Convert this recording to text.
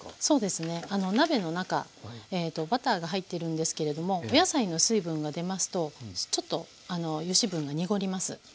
そうですね鍋の中バターが入ってるんですけれどもお野菜の水分が出ますとちょっと油脂分が濁ります。